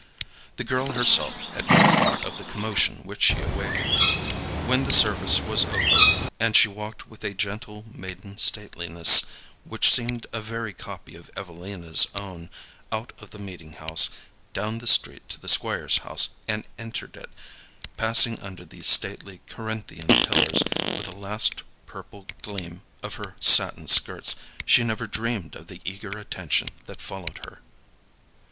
The girl herself had no thought of the commotion which she awakened. When the service was over, and she walked with a gentle maiden stateliness, which seemed a very copy of Evelina's own, out of the meeting house, down the street to the Squire's house, and entered it, passing under the stately Corinthian pillars, with a last purple gleam of her satin skirts, she never dreamed of the eager attention that followed her.